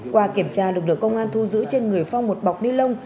qua kiểm tra lực lượng công an thu giữ trên người phong một bọc ni lông